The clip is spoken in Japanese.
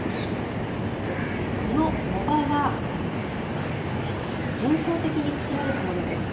この藻場は人工的に作られたものです。